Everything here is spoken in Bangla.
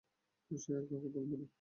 সে আর কাউকে বলবে না।